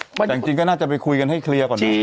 จริงค่อนข้างก็น่าจะไปคุยกันให้เคลียร์ก่อนนะ